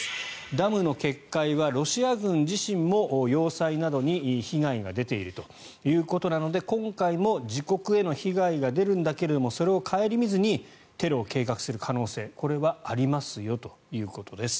ダムの決壊はロシア軍自身も要塞などに被害が出ているということで今回も自国への被害が出るんだけれどもそれを顧みずにテロを計画する可能性これはありますよということです。